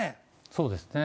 そうですね。